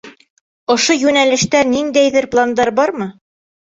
Ошо йүнәлештә ниндәйҙер пландар бармы?